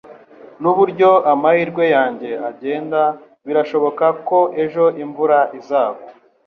Nuburyo amahirwe yanjye agenda, birashoboka ko ejo imvura izagwa.